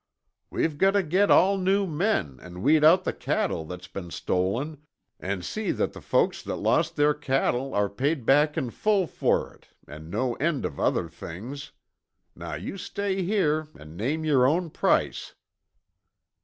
We've gotta git all new men an' weed out the cattle that's been stolen, an' see that the folks that lost their cattle are paid back in full fer it an' no end of other things. Now you stay here an' name yer own price."